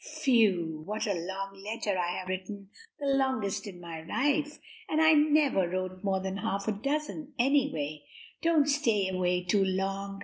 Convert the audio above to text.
Whew, what a long letter I have written! the longest in my life, and I never wrote more than half a dozen, anyway. Don't stay away too long.